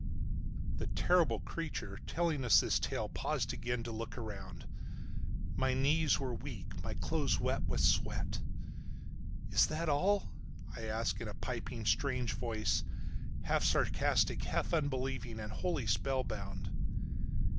The terrible creature telling us this tale paused again to look around. My knees were weak, my clothes wet with sweat. "Is that all?" I asked in a piping, strange voice, half sarcastic, half unbelieving, and wholly spellbound.